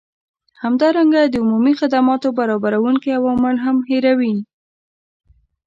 همدارنګه د عمومي خدماتو برابروونکي عوامل هم هیروي